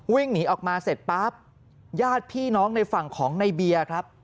วิ่งหนีออกมาเสร็จปั๊บญาติพี่น้องในฝั่งของในเบียร์ครับ